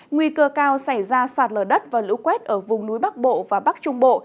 nguy cơ cao xảy ra sạt lở đất và lũ quét ở vùng núi bắc bộ và bắc trung bộ